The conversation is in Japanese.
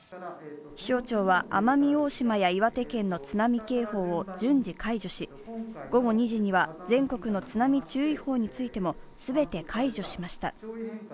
気象庁は、奄美大島や岩手県の津波警報を順次解除し、午後２時には全国の津波注意報についても全て解除しました。